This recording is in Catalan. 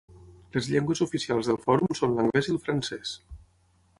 Les llengües oficials del Fòrum són l'anglès i el francès.